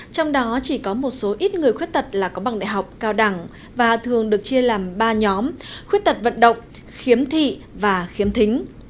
trong đó chỉ có một số ít người khuyết tật là có bằng đại học cao đẳng và thường được chia làm ba nhóm khuyết tật vận động khiếm thị và khiếm thính